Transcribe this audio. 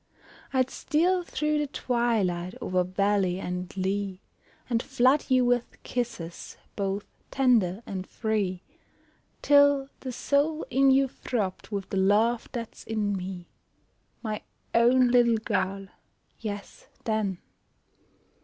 I'd steal through the twilight, o'er valley and lea, And flood you with kisses, both tender and free 'Till the soul in you throbbed with the love that's in me, My own little girl, yes then.